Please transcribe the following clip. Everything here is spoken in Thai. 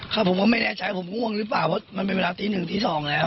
ผมก็ไม่แน่ใจผมง่วงหรือเปล่าเพราะมันเป็นเวลาตีหนึ่งตีสองแล้ว